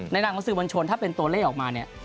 ในหนังหนังสือบัญชนถ้าเป็นตัวเลขออกมาเนี่ย